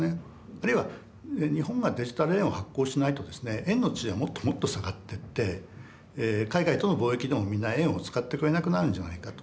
あるいは日本がデジタル円を発行しないとですね円の地位はもっともっと下がってって海外との貿易でもみんな円を使ってくれなくなるんじゃないかと。